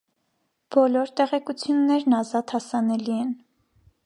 Բոլոր տեղեկություններն ազատ հասանելի են։